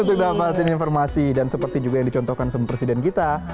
untuk dapat informasi dan seperti juga yang dicontohkan sama presiden kita